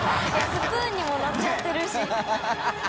スプーンにも乗っちゃってるし。